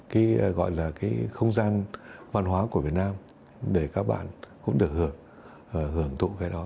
cái gọi là cái không gian văn hóa của việt nam để các bạn cũng được hưởng thụ cái đó